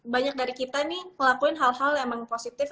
banyak dari kita nih ngelakuin hal hal yang emang positif